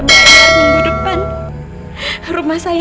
dokter juga udah terlalu banyak ngebantu saya